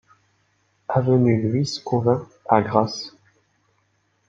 Avenue Louis Cauvin à Grasse